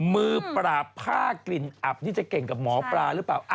มือปราบผ้ากลิ่นอับนี่จะเก่งกับหมอปลาหรือเปล่า